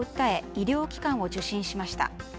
医療機関を受診しました。